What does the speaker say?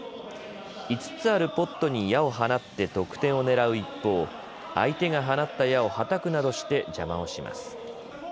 ５つあるポットに矢を放って得点を狙う一方、相手が放った矢をはたくなどして邪魔をします。